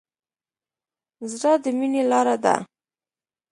زړه د مینې لاره ده.